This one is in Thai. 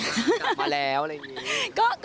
กลับมาแล้วอะไรอย่างนี้